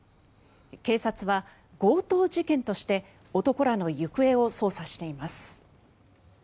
警察は強盗事件として男らの行方を捜査しています。